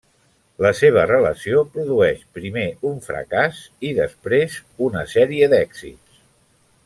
La seva relació produeix primer un fracàs i després una sèrie d’èxits.